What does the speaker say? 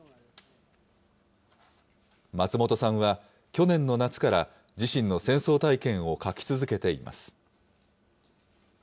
松本さんは去年の夏から、自身の戦争体験を書き続けています。